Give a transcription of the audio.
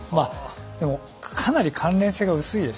でも、かなり関連性が薄いです。